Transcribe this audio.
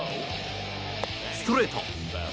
ストレート。